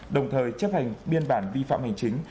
đồng thời chấp hành biên bản vi phạm hành chính